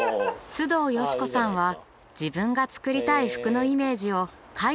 須藤よし子さんは自分が作りたい服のイメージを描いてきました。